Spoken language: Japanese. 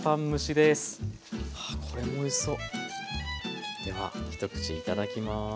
では一口いただきます。